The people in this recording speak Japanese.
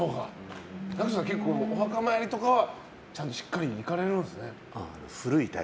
ＧＡＣＫＴさん結構お墓参りとかはちゃんとしっかり行かれるんですね。